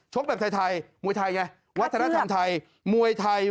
ชกแบบท้ายมวยท้ายไงวัฒนธรรมไทยมวยท้าย